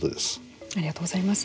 ありがとうございます。